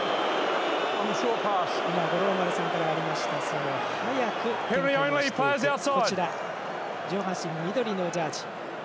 五郎丸さんからありました早く展開をしていく上半身、緑のチャージ。